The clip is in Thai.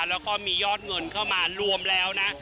แล้วก็มียอดเงินเข้ามารวมแล้วนะ